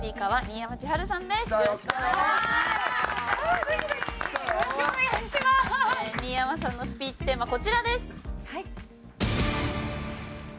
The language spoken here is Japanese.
新山さんのスピーチテーマこちらです。